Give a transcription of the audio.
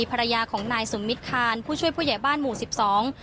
ภรรยาของนายสมมิตรคานผู้ช่วยผู้ใหญ่บ้านหมู่สิบสอง